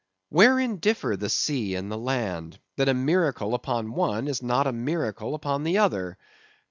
Wherein differ the sea and the land, that a miracle upon one is not a miracle upon the other?